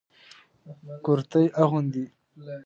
کرتي اغوندئ